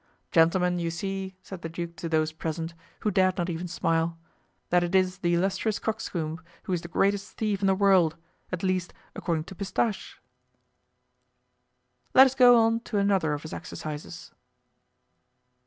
"Gentlemen, you see," said the duke to those present, who dared not even smile, "that it is the 'Illustrious Coxcomb' who is the greatest thief in the world; at least, according to Pistache." "Let us go on to another of his exercises."